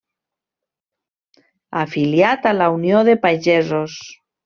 Afiliat a la Unió de Pagesos.